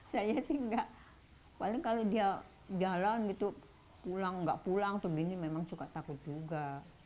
saya sih enggak paling kalau dia jalan gitu pulang nggak pulang tuh gini memang suka takut juga